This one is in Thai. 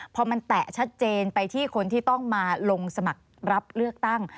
พอมันแตะชัดเจนไปที่คนที่ต้องมาลงสมัครรับเลือกตั้ง